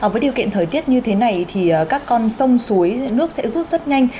với điều kiện thời tiết như thế này thì các con sông suối nước sẽ rút rất nhanh